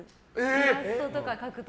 イラストとか描く時。